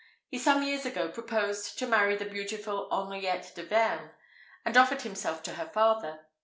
He some years ago proposed to marry the beautiful Henriette de Vergne, and offered himself to her father.